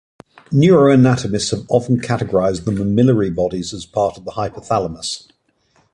Neuroanatomists have often categorized the mammillary bodies as part of the hypothalamus.